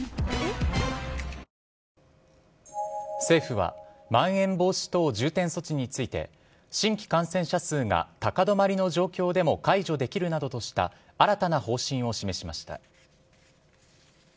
政府はまん延防止等重点措置について新規感染者数が高止まりの状況でも解除できるなどとした新たな方針を示しました。